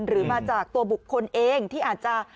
หรือมาจากตัวบุคคลเองที่อาจจะ